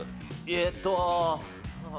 えーっと。